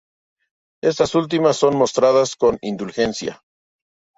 Estas últimas son mostradas con indulgencia.